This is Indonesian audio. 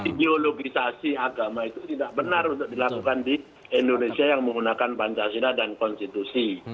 ideologisasi agama itu tidak benar untuk dilakukan di indonesia yang menggunakan pancasila dan konstitusi